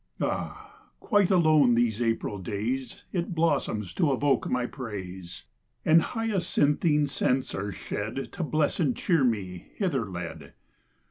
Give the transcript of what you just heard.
Ah, quite alone these April days It blossoms to evoke my praise; And hyacinthine scents are shed To bless and cheer me, hither led.